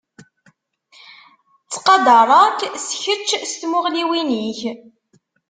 Ttqadareɣ-k s kečč s tmuɣliwin-ik.